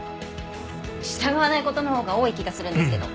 従わない事のほうが多い気がするんですけど。